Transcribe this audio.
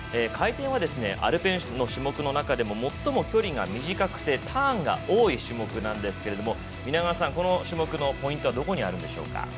回転はアルペンの種目の中でも最も距離が短くてターンが多い種目なんですが皆川さん、この種目のポイントはどこにあるんでしょうか？